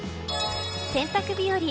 洗濯日和。